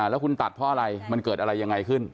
แล้วคุณตัดเพราะอะไรมันเกิดอะไรยังไงขึ้น